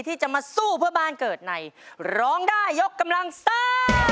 ที่จะมาสู้เพื่อบ้านเกิดในร้องได้ยกกำลังซ่า